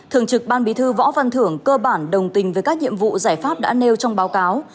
thường trực ban bí thư võ văn thưởng cơ bản đồng tình với các nhiệm vụ giải pháp đã nêu trong báo cáo